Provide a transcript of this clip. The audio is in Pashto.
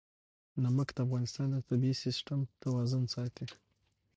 نمک د افغانستان د طبعي سیسټم توازن ساتي.